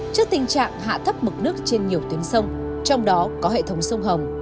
trước tình trạng hạ thấp mực nước trên nhiều tuyến sông trong đó có hệ thống sông hồng